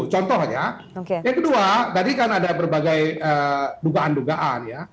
contohnya yang kedua tadi kan ada berbagai dugaan dugaan ya